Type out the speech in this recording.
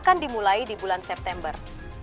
akan dimulai di bulan september